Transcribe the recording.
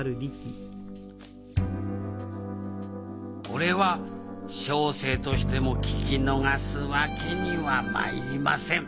これは小生としても聞き逃すわけにはまいりません